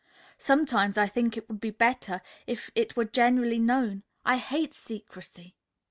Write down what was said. Sometimes I think it would be better if it were generally known. I hate secrecy."